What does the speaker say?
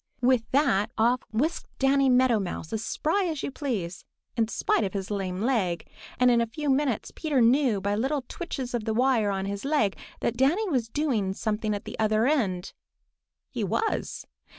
_] With that off whisked Danny Meadow Mouse as spry as you please, in spite of his lame leg, and in a few minutes Peter knew by little twitches of the wire on his leg that Danny was doing something at the other end. He was.